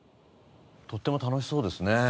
とっても楽しそうですね。